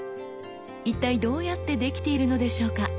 一体どうやってできているのでしょうか？